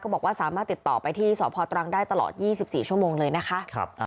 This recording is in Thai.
บอกว่าสามารถติดต่อไปที่สพตรังได้ตลอด๒๔ชั่วโมงเลยนะคะ